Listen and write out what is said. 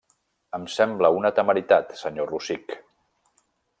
Em sembla una temeritat, senyor Rossich.